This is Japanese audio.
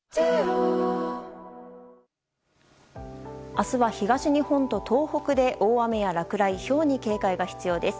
明日は東日本と東北で大雨や落雷、ひょうに警戒が必要です。